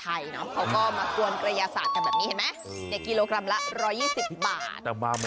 แต่ว่ากรยาศาสตร์แต่ละที่มันแตกต่างกัน